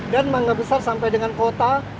dan mangga besar sampai dengan kota